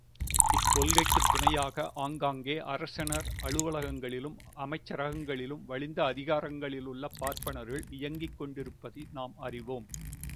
இக்கொள்கைக்குத் துணையாக, ஆங்காங்கே அரசினர் அலுவலகங்களிலும், அமைச்சரகங்களிலும் வலிந்த அதிகாரங்களில் உள்ள பார்ப்பனர்கள் இயங்கிக் கொண்டிருப்பதையும் நாம் அறிவோம்.